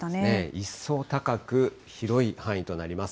一層高く、広い範囲となります。